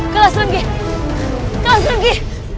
kelas lagi kelas lagi